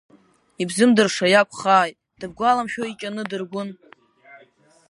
Ибзымдырша иакәхааит, дыбгәаламшәои Ҷаны Дыргәын?